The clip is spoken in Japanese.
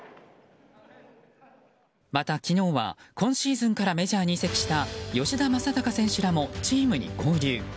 また、昨日は今シーズンからメジャーに移籍した吉田正尚選手らもチームに合流。